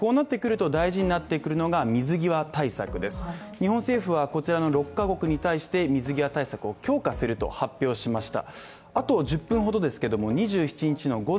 日本政府はこちらの６ヶ国に対して水際対策を強化すると発表しました。